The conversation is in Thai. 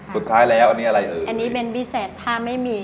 ทุกบุญที่คือบริแสตริศที่ไม่มี